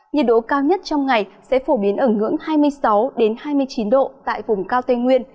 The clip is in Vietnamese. nhiệt độ cao nhất trong ngày sẽ phổ biến ở ngưỡng hai mươi sáu hai mươi chín độ tại vùng cao tây nguyên